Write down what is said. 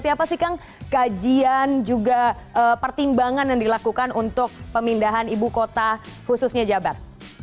apa sih kang kajian juga pertimbangan yang dilakukan untuk pemindahan ibu kota khususnya jabar